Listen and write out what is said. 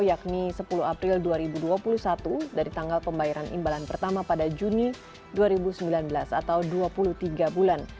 yakni sepuluh april dua ribu dua puluh satu dari tanggal pembayaran imbalan pertama pada juni dua ribu sembilan belas atau dua puluh tiga bulan